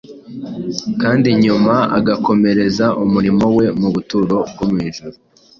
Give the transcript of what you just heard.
kandi nyuma agakomereza umurimo we mu buturo bwo mu ijuru.